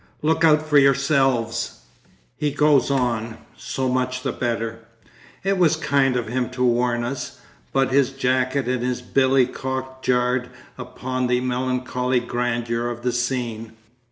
Look out for yourselves." He goes on. So much the better; it was kind of him to warn us, but his jacket and his billy cock jarred upon the melancholy grandeur of the scene.